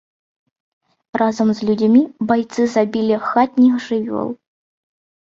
Разам з людзьмі байцы забілі хатніх жывёл.